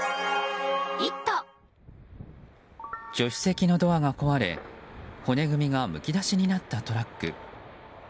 助手席のドアが壊れ骨組みがむき出しになったトラック。